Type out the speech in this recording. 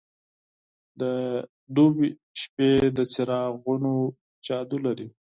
د دوبی شپې د څراغونو جادو لري.